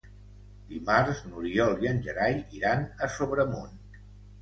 Dimarts n'Oriol i en Gerai iran a Sobremunt.